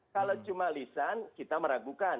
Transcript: kalau cuma lisan kita meragukan